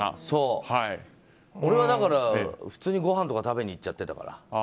俺はだから、普通にごはんとか食べに行っちゃってたから。